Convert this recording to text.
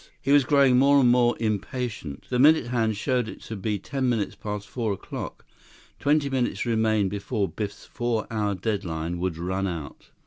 He was growing more and more impatient. The minute hand showed it to be ten minutes past four o'clock. Twenty minutes remained before Biff's four hour deadline would run out.